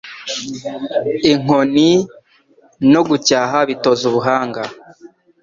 Inkoni no gucyaha bitoza ubuhanga